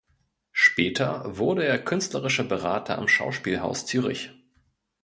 Später wurde er künstlerischer Berater am Schauspielhaus Zürich.